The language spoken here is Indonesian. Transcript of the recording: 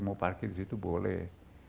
mau parkir di situ boleh